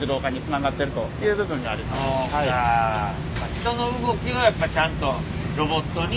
人の動きをやっぱちゃんとロボットに。